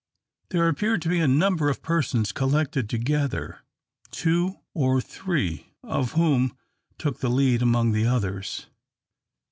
There appeared to be a number of persons collected together, two or three of whom took the lead among the others.